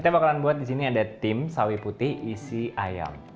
kita bakalan buat di sini ada tim sawi putih isi ayam